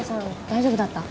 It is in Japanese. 大丈夫だった？